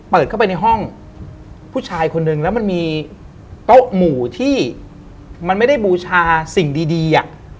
เปิดเข้าไปในห้องผู้ชายคนนึงแล้วมันมีโต๊ะหมู่ที่มันไม่ได้บูชาสิ่งดีอ่ะ